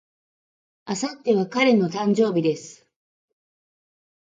明後日は彼の誕生日です。